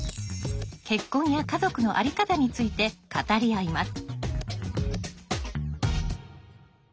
結婚や家族の在り方について語り合います。